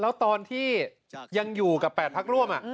แล้วตอนที่ยังอยู่กับ๘พักร่วม